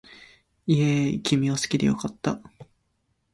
イェーイ君を好きで良かった